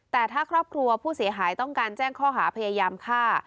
แต่ถ้าครอบครัวผู้เสียหายต้องการแจ้งข้อหาพยายามฆ่า